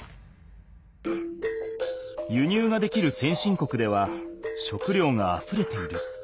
輸入ができる先進国では食料があふれている。